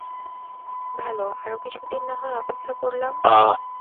ভালো, আরো কিছুদিন না হয় অপেক্ষা করলাম।